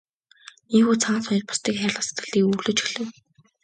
Ийнхүү Цагаан соёот бусдыг хайрлах сэтгэлийг өвөрлөж эхлэв.